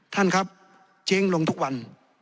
ท่านครับเจ๊งลงทุกวัน